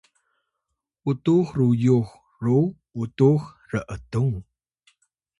utux ruyux ru utux r’tung